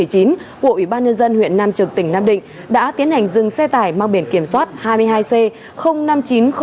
của ủy ban nhân dân huyện nam trực tỉnh nam định đã tiến hành dừng xe tải mang biển kiểm soát hai mươi hai c năm nghìn chín trăm linh